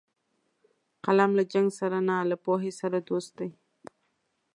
قلم له جنګ سره نه، له پوهې سره دوست دی